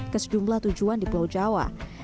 ke sejumlah tujuan di pulau jawa